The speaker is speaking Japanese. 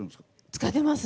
使ってます。